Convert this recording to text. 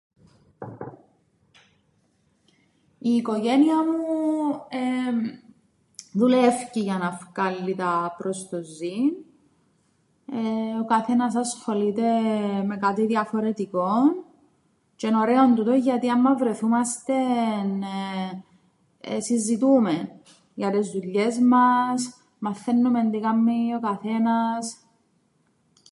Η οικογένεια μου εμ δουλεύκει για να φκάλλει τα προς το ζην ε ο καθένας ασχολείται με κάτι διαφορετικόν τζ̆αι εν' ωραίον τούτον, γιατί άμαν βρεθούμαστεν συζητούμεν για τες δουλειές μας μαθαίννουμεν τι κάμμει ο καθένας.